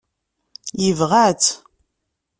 Yebɣa-tt.